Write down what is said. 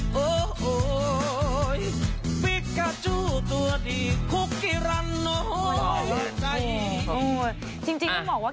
พลิกกาจูตัวดีคุกกี่รันโน้ยใจ